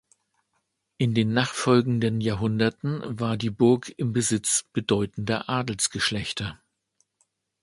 In den nachfolgenden Jahrhunderten war die Burg im Besitz bedeutender Adelsgeschlechter.